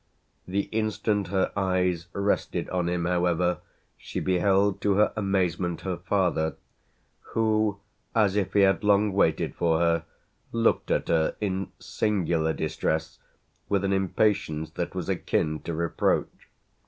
The instant her eyes rested on him however she beheld to her amazement her father, who, as if he had long waited for her, looked at her in singular distress, with an impatience that was akin to reproach.